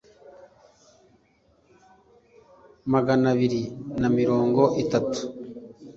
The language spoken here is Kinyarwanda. magana abiri na mirongo itatu